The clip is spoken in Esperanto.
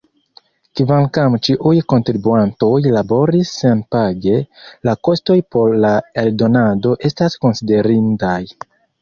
Kvankam ĉiuj kontribuantoj laboris senpage, la kostoj por la eldonado estas konsiderindaj.